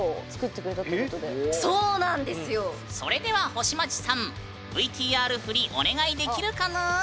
それでは星街さんＶＴＲ振りお願いできるかぬん？